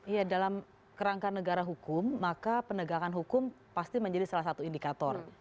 ya dalam kerangka negara hukum maka penegakan hukum pasti menjadi salah satu indikator